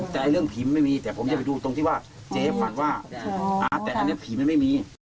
แต่เรื่องผีไม่มีแต่ผมจะไปดูตรงที่ว่าเจ๊ฝันว่าแต่อันนี้ผีมันไม่มี